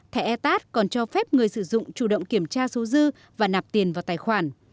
thẻ etat còn cho phép người sử dụng chủ động kiểm tra số dư và nạp tiền vào tài khoản